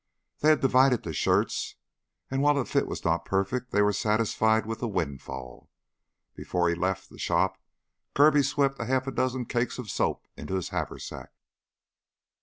They had divided the shirts, and while the fit was not perfect, they were satisfied with the windfall. Before he left the shop Kirby swept a half dozen cakes of soap into his haversack.